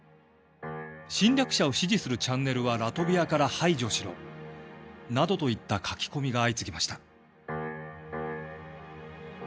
「侵略者を支持するチャンネルはラトビアから排除しろ」などといった書き込みが相次ぎました。